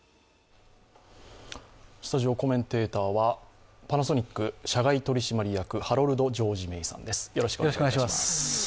スタジオコメンテーターはパナソニック社外取締役ハロルド・ジョージ・メイさんです。